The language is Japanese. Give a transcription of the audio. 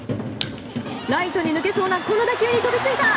ライトに抜けそうなこの打球に飛びついた！